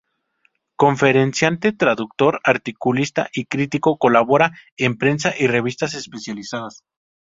Conferenciante, traductor, articulista y crítico, colabora en prensa y revistas especializadas.